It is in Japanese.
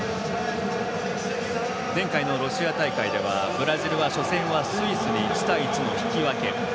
前回のロシア大会ではブラジルは初戦はスイスに１対１の引き分け。